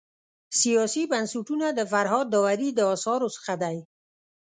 سیاسي بنسټونه د فرهاد داوري د اثارو څخه دی.